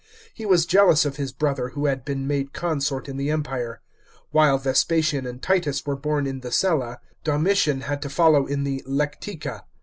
He was jealous of his brother who had been made consort in the Empire. While Vespasian and Titus were borne in ihe «etfa. Domitian had to follow in the lectica.